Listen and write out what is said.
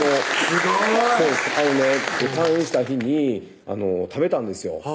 すごい退院した日に食べたんですよ